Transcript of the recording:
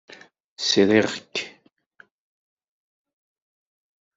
Sriɣ-k.